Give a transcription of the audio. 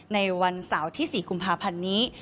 ในวันเสาร์ที่๔กุมภาพันธ์นี้